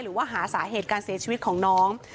หรือว่าหาสาเหตุการเสียชีวิตของน้อง